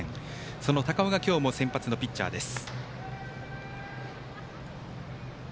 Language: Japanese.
その高尾が今日も先発のピッチャーです。